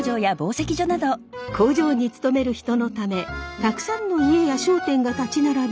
工場に勤める人のためたくさんの家や商店が立ち並び